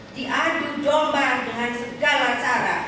diadu domba dengan segala cara